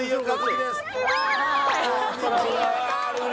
こんにちはー